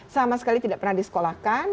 sama sekali tidak pernah disekolahkan